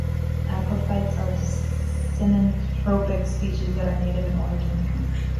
Apophytes are synanthropic species that are native in origin.